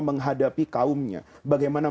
menghadapi kaumnya bagaimana